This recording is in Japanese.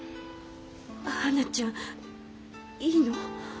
はなちゃんいいの？